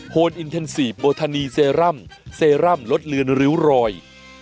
นอินเทนซีฟโบทานีเซรั่มเซรั่มลดเลือนริ้วรอย